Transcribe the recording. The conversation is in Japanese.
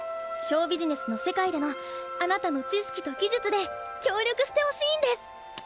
ショウビジネスの世界でのあなたの知識と技術で協力してほしいんです。